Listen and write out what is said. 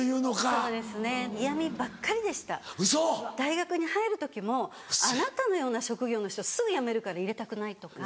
そうですね嫌みばっかりでした大学に入る時も「あなたのような職業の人すぐ辞めるから入れたくない」とか。